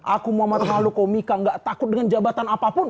aku muhammad malu komika gak takut dengan jabatan apapun